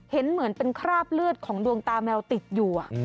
เห็นเหมือนเป็นคราบเลือดของดวงตาแมวติดอยู่